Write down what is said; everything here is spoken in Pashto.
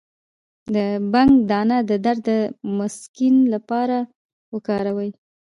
د بنګ دانه د درد د مسکن لپاره وکاروئ